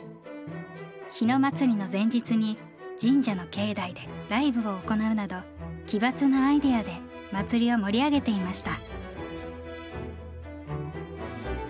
日野祭の前日に神社の境内でライブを行うなど奇抜なアイデアで祭りを盛り上げていました。